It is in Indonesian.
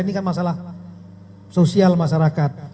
ini kan masalah sosial masyarakat